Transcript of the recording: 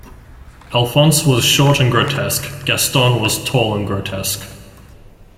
Alphonse was short and grotesque; Gaston was tall and grotesque.